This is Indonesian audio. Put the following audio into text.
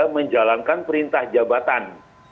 menjalankan perintah jabatan